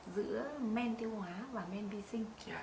giữa men tiêu hóa và men vi sinh